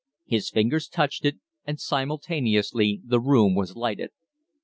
His fingers touched it, and simultaneously the room was lighted.